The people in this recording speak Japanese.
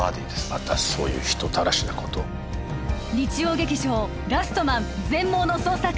またそういう人たらしなことを日曜劇場「ラストマン−全盲の捜査官−」